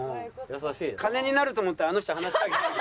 金になると思ったらあの人は話しかけてくる。